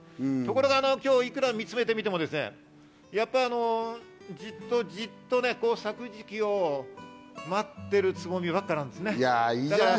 ところが今日、いくら見つめてみてもやっぱりじっとじっと咲く時期を待っているつぼみばっかなんですね。